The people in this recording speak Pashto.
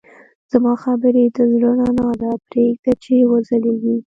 زما خبرې د زړه رڼا ده، پرېږده چې وځلېږي.